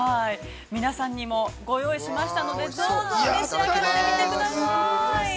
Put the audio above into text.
◆皆さんにもご用意しましたのでどうぞ召し上がってみてください。